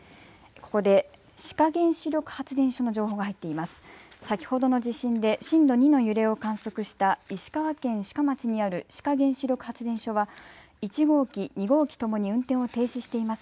ここで志賀原子力発電所の情報が入っています。